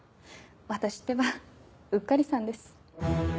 私ってばうっかりさんです。